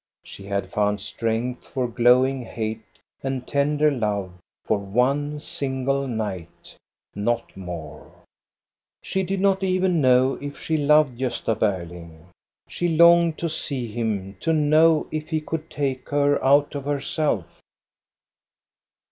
She had found strength for glowing hate and tender love for one single night, not more. She did not even know if she loved Gosta Berling. She longed to see him to know if he could take her out of herself.